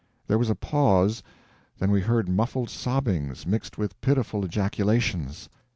There was a pause, then we herd muffled sobbings, mixed with pitiful ejaculations.